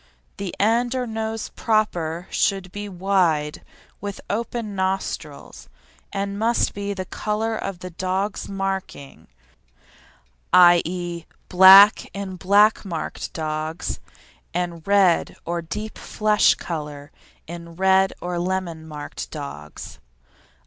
The end or nose proper should be wide, with open nostrils, and must be the colour of the dog's marking, i.e., black in black marked dogs, and red or deep flesh colour in red or lemon marked dogs.